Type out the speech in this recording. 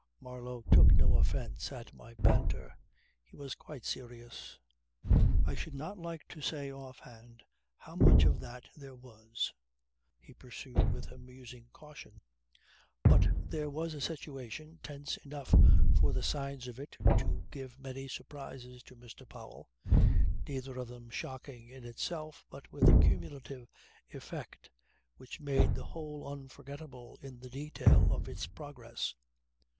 Marlow took no offence at my banter. He was quite serious. "I should not like to say off hand how much of that there was," he pursued with amusing caution. "But there was a situation, tense enough for the signs of it to give many surprises to Mr. Powell neither of them shocking in itself, but with a cumulative effect which made the whole unforgettable in the detail of its progress.